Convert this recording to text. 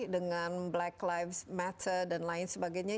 dengan black life matter dan lain sebagainya